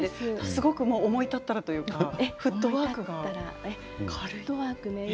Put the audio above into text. すごく思い立ったらというかフットワークが軽い。